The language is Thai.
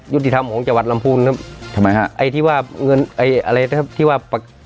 ยุติธรรมของจังหวัดลำพูลครับทำไมฮะ